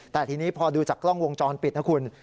แต่ทีนี้พอดูจากกล้องวงจรปิดนะคุณ